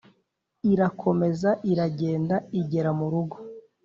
irakomeza iragenda igera murugo